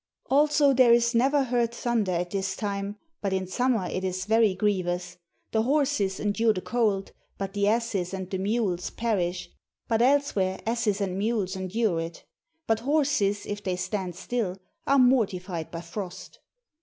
Also there is never heard thunder at this time, but in summer it is very grievous. The horses endure the cold, but the asses and the mules perish ; but elsewhere asses and mules endure it — but horses if they stand still are mortified by frost.